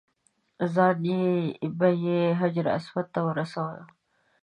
ځان به یې حجر اسود ته ورسولو.